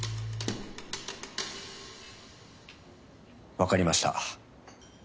わかりました